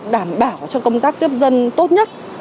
đảm bảo cho công tác tiếp dân tốt nhất